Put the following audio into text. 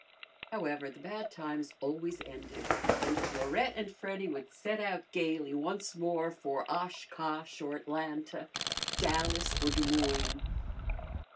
However, the bad times always ended, and Florette and Freddy would set out gayly once more for Oshkosh or Atlanta, Dallas or Des Moines.